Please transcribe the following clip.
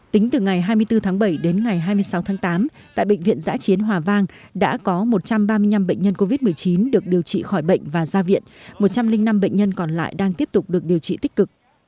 tính từ ngày hai mươi bốn tháng bảy đến ngày hai mươi sáu tháng tám tại bệnh viện giã chiến hòa vang đã có một trăm ba mươi năm bệnh nhân covid một mươi chín được điều trị khỏi bệnh và ra viện một trăm linh năm bệnh nhân còn lại đang tiếp tục được điều trị tích cực